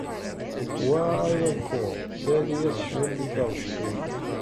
Wa Ayako, sali-as cwiṭ i taɣect-ik.